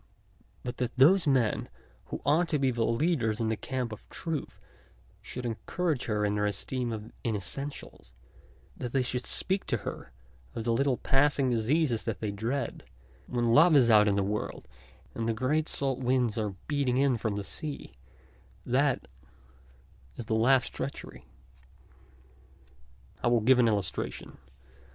But that those men who ought to be leaders in the camp of truth should encourage her in her esteem of inessentials, that they, should speak to her of the little passing diseases that they dread, when love is out in the world and the great salt winds are beating in from the sea, that is the last treachery. I will give an illustration.